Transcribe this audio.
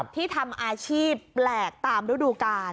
ที่ทำอาชีพแปลกตามฤดูกาล